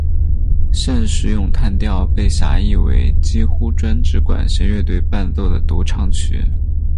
现时咏叹调被狭义为几乎专指管弦乐队伴奏的独唱曲。